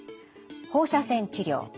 放射線治療。